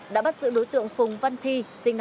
đã bắt giữ đối tượng phùng văn thi sinh ra